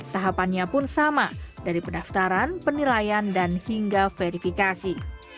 tahapannya pun sama dari pendaftaran penilaian dan hingga verifikasi